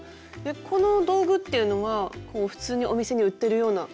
この道具っていうのはこう普通にお店に売ってるような。